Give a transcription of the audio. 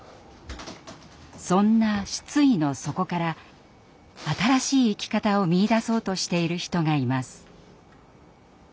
そんな失意の底から新しい生き方を見いだそうとしている人がいます。